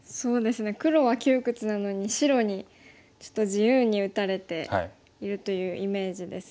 黒は窮屈なのに白にちょっと自由に打たれているというイメージですね。